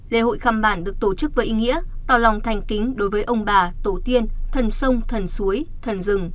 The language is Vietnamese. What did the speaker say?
lễ hội khăm bản được tổ chức với ý nghĩa tỏ lòng thành kính đối với ông bà tổ tiên thần sông thần suối thần rừng